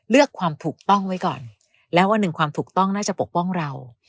ความถูกต้องไว้ก่อนแล้ววันหนึ่งความถูกต้องน่าจะปกป้องเรา